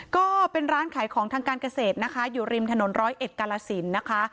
ก็เป็นร้านขายของทางการเกษตรนะคะอยู่ริมถนนร้อยเอ็ดกาลสินนะคะ